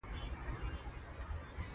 توکوګاوا واکمني مطلقه نه وه.